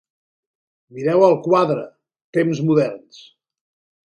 Mireu el quadre, temps moderns.